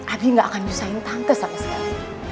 abi gak akan nyesahin tante sama sekali